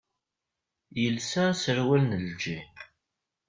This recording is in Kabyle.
Yelsa aserwal n lǧin.